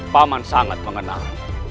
pak man sangat mengenal